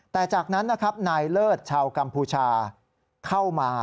แต่จากนั้นนะครับนายเลิศชาวกัมพูชาเข้ามา